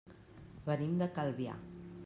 Venim de Calvià.